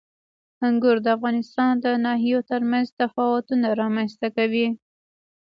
انګور د افغانستان د ناحیو ترمنځ تفاوتونه رامنځ ته کوي.